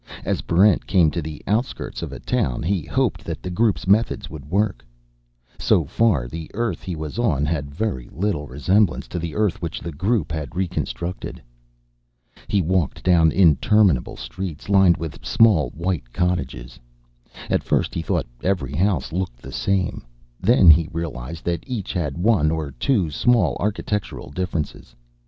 As Barrent came to the outskirts of a town, he hoped that the Group's methods would work. So far, the Earth he was on had very little resemblance to the Earth which the Group had reconstructed. He walked down interminable streets lined with small white cottages. At first, he thought every house looked the same. Then he realized that each had one or two small architectural differences.